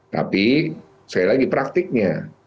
tapi sekali lagi praktiknya